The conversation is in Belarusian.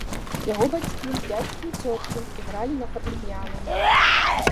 Яго бацькі, дзядзькі і цёткі ігралі на фартэпіяна.